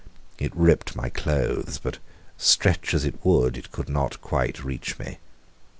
It ripped my clothes, but, stretch as it would, it could not quite reach me.